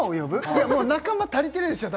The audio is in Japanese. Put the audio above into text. いやもう仲間足りてるでしょ